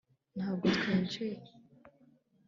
ntabwo twinjiye